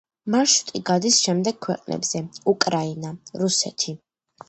მარშრუტი გადის შემდეგ ქვეყნებზე: უკრაინა, რუსეთი.